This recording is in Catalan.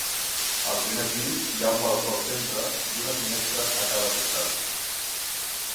Al primer pis hi ha un balcó al centre i una finestra a cada costat.